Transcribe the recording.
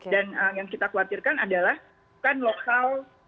dan yang kita khawatirkan adalah bukan lokal